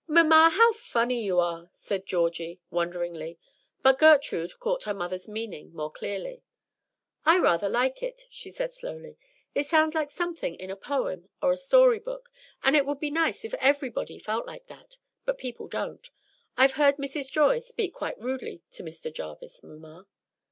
"Mamma, how funny you are," said Georgie, wonderingly; but Gertrude caught her mother's meaning more clearly. "I rather like it," she said slowly. "It sounds like something in a poem or a storybook, and it would be nice if everybody felt like that, but people don't. I've heard Mrs. Joy speak quite rudely to Mr. Jarvis, mamma."